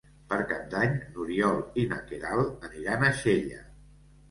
Per Cap d'Any n'Oriol i na Queralt aniran a Xella.